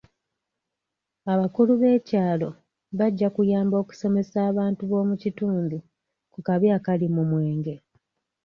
Abakulu b'ekyalo bajja kuyamba okusomesa abantu b'omu kitundu ku kabi akali mu mwenge.